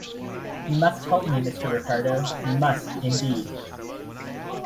You must help me, Mr. Ricardo — you must, indeed!